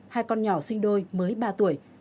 hai con nhỏ sinh đôi mới ba tuổi